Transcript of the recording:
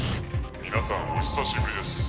皆さんお久しぶりです